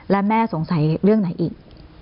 และแม่สงสัยเรื่องไหนอีก